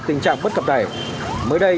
tình trạng bất cập đẩy mới đây